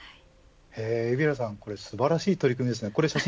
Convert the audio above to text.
海老原さん素晴らしい取り組みですね